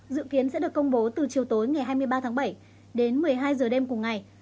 dự kiến sẽ được công bố từ chiều tối ngày hai mươi ba tháng bảy đến một mươi hai giờ đêm cùng ngày